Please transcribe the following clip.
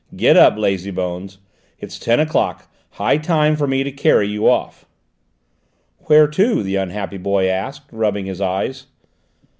"Get up, lazy bones! It's ten o'clock: high time for me to carry you off." "Where to?" the unhappy boy asked, rubbing his eyes.